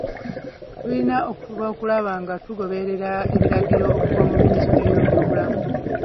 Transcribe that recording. Tulina okufuba okulaba nga tugoberera ebiragiro okuva mu minisitule y'ebyobulamu.